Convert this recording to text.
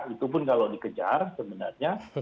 itu pun kalau dikejar sebenarnya